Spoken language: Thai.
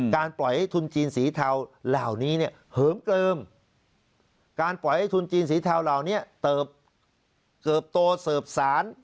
ปล่อยให้ทุนจีนสีเทาเหล่านี้เนี่ยเหิมเกลิมการปล่อยให้ทุนจีนสีเทาเหล่านี้เติบโตเสิร์ฟสาร